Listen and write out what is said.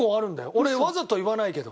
俺わざと言わないけど。